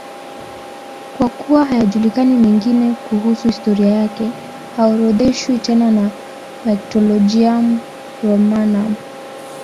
Kwa kuwa hayajulikani mengine mengi kuhusu historia yake, haorodheshwi tena na Martyrologium Romanum.